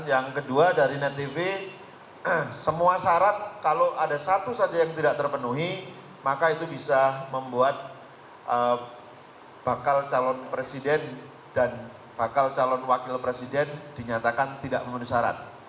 yang kedua dari ntv semua syarat kalau ada satu saja yang tidak terpenuhi maka itu bisa membuat bakal calon presiden dan bakal calon wakil presiden dinyatakan tidak memenuhi syarat